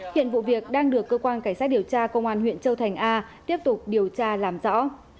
hiện vụ việc đang được cơ quan cảnh sát điều tra công an huyện châu thành a tiếp tục điều tra làm rõ